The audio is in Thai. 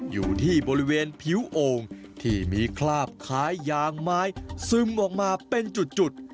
อยู่ที่บริเวณผิวโอ่งที่มีคราบคล้ายยางไม้ซึมออกมาเป็นจุด